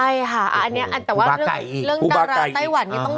ใช่ค่ะอันนี้แต่ว่าเรื่องดาราไต้หวัน